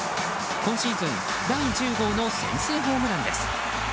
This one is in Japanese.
今シーズン第１０号の先制ホームランです。